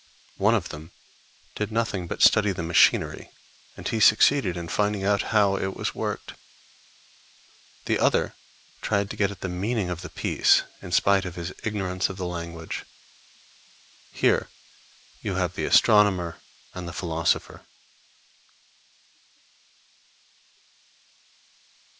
One of them did nothing but study the machinery, and he succeeded in finding out how it was worked. The other tried to get at the meaning of the piece in spite of his ignorance of the language. Here you have the Astronomer and the Philosopher.